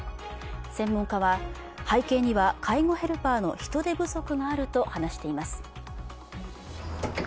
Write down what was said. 専門家は背景には介護ヘルパーの人手不足があると話しています。